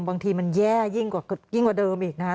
บางทีมันแย่ยิ่งกว่าเดิมอีกนะครับ